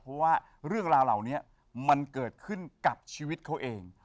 เพราะว่าเรื่องราวเหล่านี้มันเกิดขึ้นกับชีวิตเขาเอง